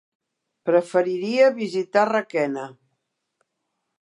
Preferiria visitar Requena.